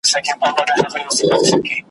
تر ښارونو یې وتلې آوازه وه `